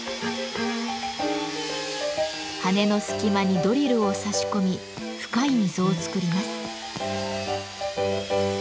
羽の隙間にドリルを差し込み深い溝を作ります。